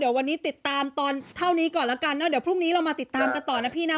เดี๋ยววันนี้ติดตามตอนเท่านี้ก่อนแล้วกันเนอะเดี๋ยวพรุ่งนี้เรามาติดตามกันต่อนะพี่นะ